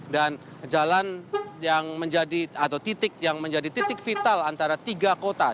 dan jalan yang menjadi atau titik yang menjadi titik vital antara tiga kota